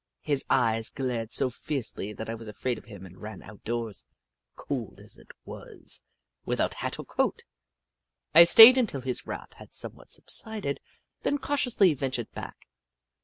His eyes glared so fiercely that I was afraid of him and ran out doors, cold as it was, without hat or coat. I stayed until his wrath had somewhat subsided, then cautiously ventured back.